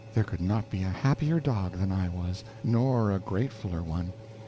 There could not be a happier dog that I was, nor a gratefuler one.